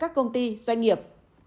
các công ty doanh nghiệp